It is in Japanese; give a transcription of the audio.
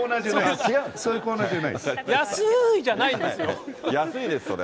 安ーい、じゃないんですよ。